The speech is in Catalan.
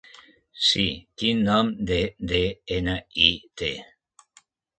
Sí Quin nom de de-ena-i té?